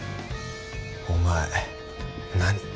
お前何？